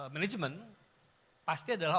management pasti adalah